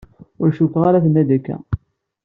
Ur cukkeɣ ara tenna-d akka.